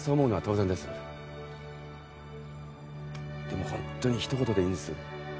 でも本当にひと言でいいんです。